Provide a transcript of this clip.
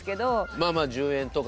まあまあ１０円とか。